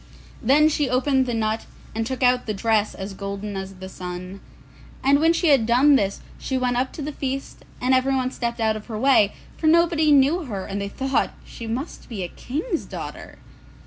Then she opened the nut, and took out the dress as golden as the sun. And when she had done this, she went up to the feast, and everyone stepped out of her way, for nobody knew her, and they thought she must be a King's daughter.